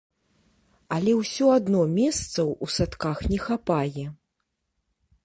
Але ўсё адно месцаў у садках не хапае.